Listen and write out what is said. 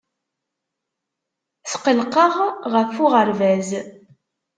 Tqelliqeɣ deg uɣerbaz.